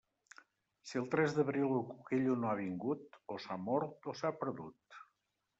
Si el tres d'abril el cuquello no ha vingut, o s'ha mort o s'ha perdut.